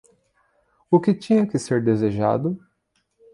O que tinha que ser desejado?